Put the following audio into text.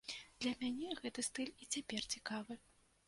Для мяне гэты стыль і цяпер цікавы.